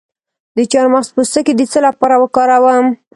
د چارمغز پوستکی د څه لپاره وکاروم؟